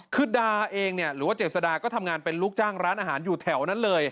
คือดาเองเนี่ยหรือว่าเจษดาก็ทำงานเป็นลูกจ้างร้านอาหารอยู่แถวนั้นเลย